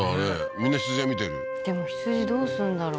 みんな取材見てるでも羊どうするんだろう？